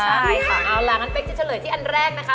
เอาล่ะงั้นเป็กจะเฉลยที่อันแรกนะคะ